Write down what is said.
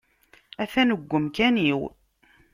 Atan deg umkan-iw.